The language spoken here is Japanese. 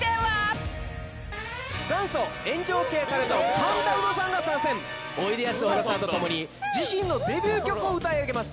神田うのさんが参戦おいでやす小田さんとともに自身のデビュー曲を歌い上げます